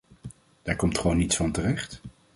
Daar komt gewoon niets van terecht.